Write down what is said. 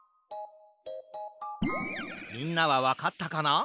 みんなはわかったかな？